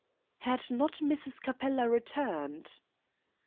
"Had not Mrs. Capella returned?"